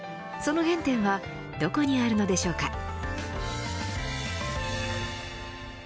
その原点はどこにあるのでしょうか。